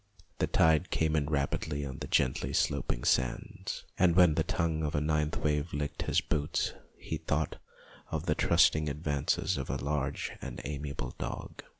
The tide came in rapidly on the gently sloping sands, and when the tongue of a ninth wave licked his boots he thought of the trusting advances of a large and amiable dog.